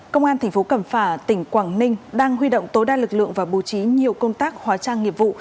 công an tp cẩm phả tỉnh quảng ninh đang huy động tối đa lực lượng và bù trí nhiều công tác hóa trang nghiệp vụ